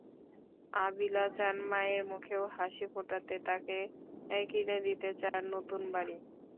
Avila চান মায়ের মুখেও হাসি ফোটাতে, তাঁকে কিনে দিতে চান নতুন বাড়ি।